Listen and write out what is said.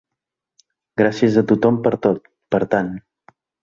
Gràcies a tothom per tot, per tant.